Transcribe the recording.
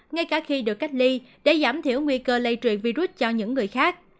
ngay cả khi được cách ly để giảm thiểu nguy cơ lây truyền virus cho những người khác